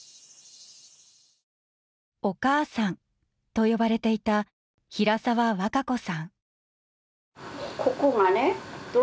「おかあさん」と呼ばれていた平沢若子さん。